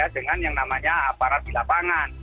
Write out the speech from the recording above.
dengan yang namanya aparat di lapangan